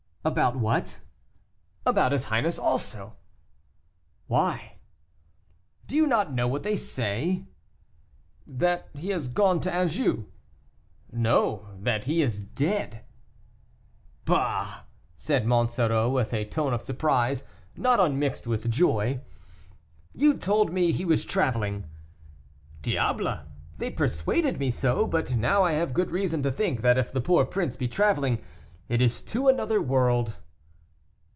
"About what?" "About his highness also." "Why?" "Do you not know what they say?" "That he has gone to Anjou." "No; that he is dead." "Bah!" said Monsoreau, with a tone of surprise, not unmixed with joy, "you told me he was traveling." "Diable! they persuaded me so, but now I have good reason to think that if the poor prince be traveling, it is to another world."